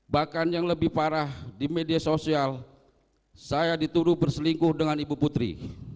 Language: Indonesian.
bahkan yang lebih parah di media sosial saya dituduh berselingkuh dengan ibu putri